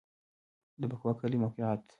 د بکوا کلی موقعیت